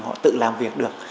họ tự làm việc được